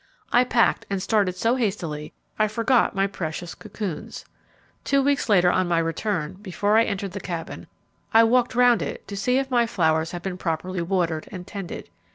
I packed and started so hastily I forgot my precious cocoons. Two weeks later on my return, before I entered the Cabin, I walked round it to see if my flowers had been properly watered and tended.